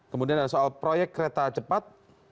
kemudian ada soal proyek kereta cepat